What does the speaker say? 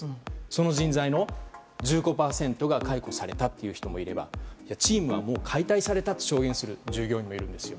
その人材の１５％が解雇されたという人もいればチームは解体されたと証言する従業員もいるんです。